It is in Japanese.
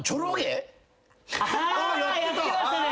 あやってましたね！